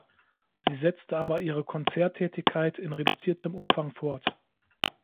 Sie setzte aber ihre Konzerttätigkeit in reduziertem Umfang fort.